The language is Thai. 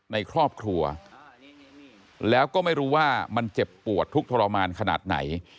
ในครอบครัวแล้วก็ไม่รู้ว่ามันเจ็บปวดทุกข์ทรมานขนาดไหน